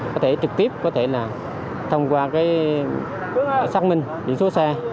có thể trực tiếp có thể là thông qua xác minh điện số xe